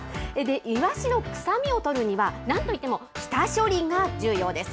いわしの臭みを取るには、なんといっても下処理が重要です。